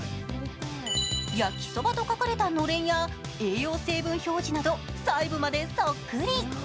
「やきそば」と書かれたのれんや栄養成分表示まで、細部までそっくり。